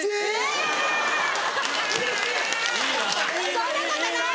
そんなことない！